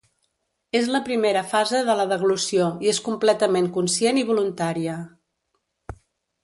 És la primera fase de la deglució i és completament conscient i voluntària.